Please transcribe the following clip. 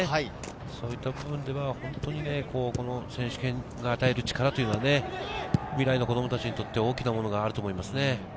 そういった部分ではこの選手権が与える力は、未来の子供たちにとって、大きなものがあると思いますね。